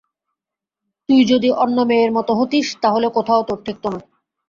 তুই যদি অন্য মেয়ের মতো হতিস তা হলে কোথাও তোর ঠেকত না।